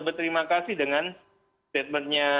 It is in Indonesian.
berterima kasih dengan statementnya